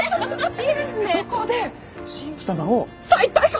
そこで新婦様を再逮捕！